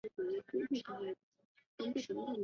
与其相对应的乌加里特字母则是。